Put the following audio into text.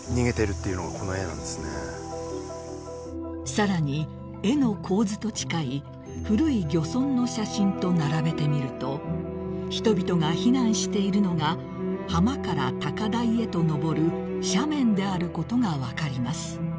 ［さらに絵の構図と近い古い漁村の写真と並べてみると人々が避難しているのが浜から高台へと上る斜面であることが分かります］